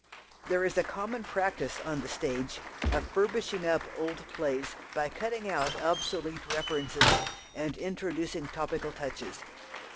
There is a common practice on the stage of "furbishing up" old plays by cutting out obsolete references and introducing topical touches.